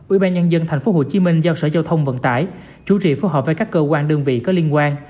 ubnd tp hcm giao sở giao thông vận tải chủ trị phối hợp với các cơ quan đơn vị có liên quan